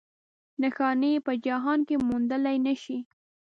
نښانې یې په جهان کې موندلی نه شي.